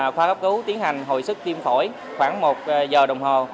khoa cấp cứu tiến hành hồi sức tiêm phổi khoảng một giờ đồng hồ